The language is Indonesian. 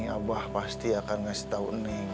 abah pasti akan ngasih tau